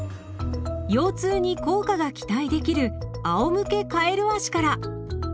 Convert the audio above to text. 腰痛に効果が期待できる「あおむけカエル脚」から。